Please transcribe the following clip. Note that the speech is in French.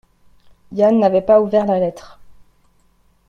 Yann n’avait pas ouvert la lettre.